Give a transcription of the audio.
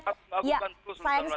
jangan lakukan lulusan luar negeri